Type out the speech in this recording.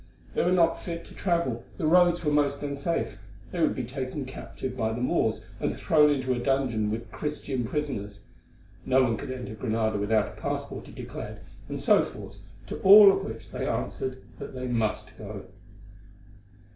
They were not fit to travel; the roads were most unsafe; they would be taken captive by the Moors, and thrown into a dungeon with the Christian prisoners; no one could enter Granada without a passport, he declared, and so forth, to all of which they answered that they must go.